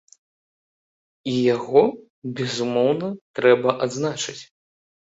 І яго, безумоўна, трэба адзначаць.